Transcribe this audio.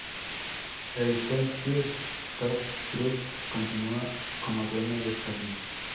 El "Sheffield Town Trust" continua como dueño del jardín.